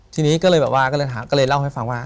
ทีนี้ก็เลยแบบว่าก็เลยเล่าให้ฟังว่า